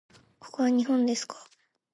ここは日本ですか？